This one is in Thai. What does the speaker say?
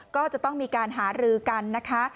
ก็จะต้องมีการหารือกันนะคะ